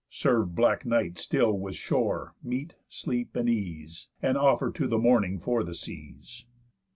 Serve black Night still with shore, meat, sleep, and ease, And offer to the Morning for the seas.